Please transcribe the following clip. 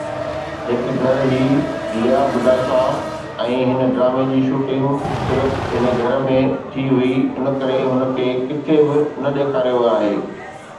هڪ گهر هي ليا بڊا سا ۽ هن ڊرامي جي شوٽنگ صرف هن گهر ۾ ٿي هئي انڪري ان کي ڪٿي به نه ڏيکاريو ويو آهي.